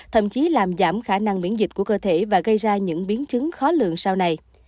thậm chí làm giảm khả năng miễn dịch của cơ thể và gây ra những biến chứng khó lượng sau này